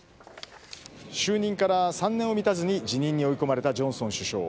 就任から３年を満たずに辞任に追い込まれたジョンソン首相。